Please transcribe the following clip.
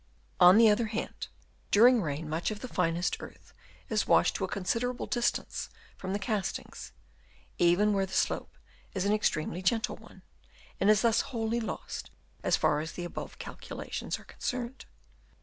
On the other hand, during rain much of the finest earth is washed to a considerable distance from the castings, even where the slope is an ex tremely gentle one, and is thus wholly lost as far as the above calculations are concerned.